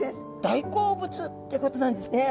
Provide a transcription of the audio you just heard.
大好物ってことなんですね。